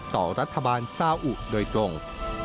ต่อรัฐบาลซาอุโดยตรง